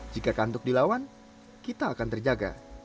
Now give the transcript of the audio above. jika kantuk dilawan kita akan terjaga